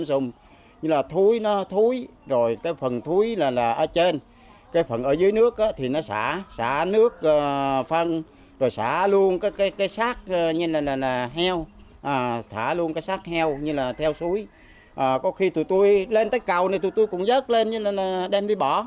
có khi tụi tôi lên tới cầu này tụi tôi cũng dớt lên như là đem đi bỏ